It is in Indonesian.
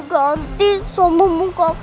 kekyankan s powered up